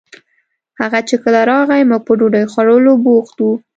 هغه چې کله راغئ موږ په ډوډۍ خوړولو بوخت وو